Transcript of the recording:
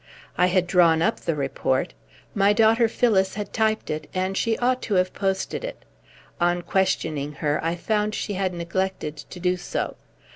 I had drawn up the report. My daughter Phyllis had typed it, and she ought to have posted it. On questioning her, I found she had neglected to do so.